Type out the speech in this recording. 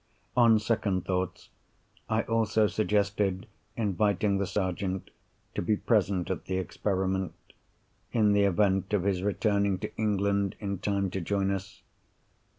On second thoughts I also suggested inviting the Sergeant to be present at the experiment, in the event of his returning to England in time to join us.